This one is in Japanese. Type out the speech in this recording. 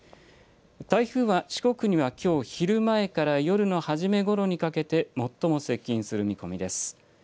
台風は四国にはきょう昼前から夜の初めごろにかけて最も接近する見込みです。